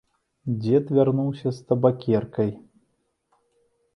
Дзед вярнуўся з табакеркай.